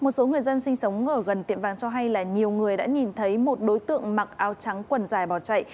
một số người dân sinh sống ở gần tiệm vàng cho hay là nhiều người đã nhìn thấy một đối tượng mặc áo trắng quần dài bỏ chạy